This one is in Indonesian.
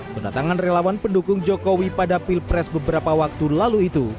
penatangan relawan pendukung jokowi pada pilpres beberapa waktu lalu itu